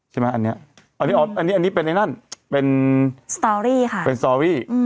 ใช่ไหมอันนี้อันนี้เป็นไอ้นั่นเป็นสตอรี่ค่ะเป็นสตอรี่